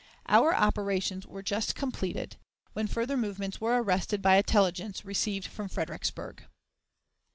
Our operations were just completed, when further movements were arrested by intelligence received from Fredericksburg.